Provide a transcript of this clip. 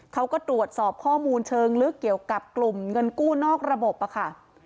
เขาก็ตรวจสอบข้อมูลเชิงลึกเกี่ยวกับกลุ่มเงินกู้นอกระบบค่ะ